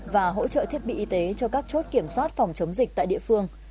và hỗ trợ thiết bị y tế cho các chốt kiểm soát phòng chống dịch tại địa phương